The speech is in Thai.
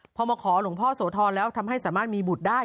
พอมาขอหลวงพ่อโสธรแล้วทำให้สามารถมีบุตรได้